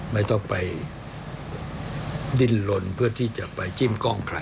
ไม่ต้องไปดิ้นลนเพื่อที่จะไปจิ้มกล้องใคร